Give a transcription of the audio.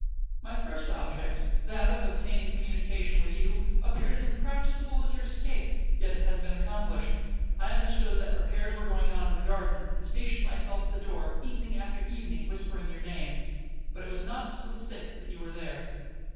My first object, that of obtaining a communication with you, appeared as impracticable as your escape, yet it has been accomplished. I understood that repairs were going on in the garden, and stationed myself at the door evening after evening, whispering your name, but it was not till the sixth that you were there.'